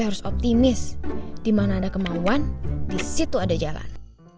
harus optimis dimana ada kemauan disitu ada jalan